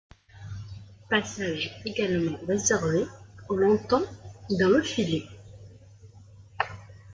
Passage également réservé, au lointain, dans le filet.